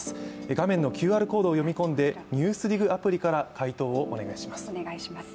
画面のＱＲコードを読み込んで「ＮＥＷＳＤＩＧ」アプリから回答をお願いします。